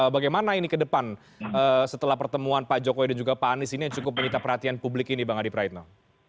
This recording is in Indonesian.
bagaimana ini ke depan setelah pertemuan pak jokowi dan juga pak anies ini yang cukup menyita perhatian publik ini bang adi praitno